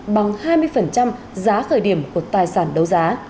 bằng hai mươi giá khởi điểm của tài sản đấu giá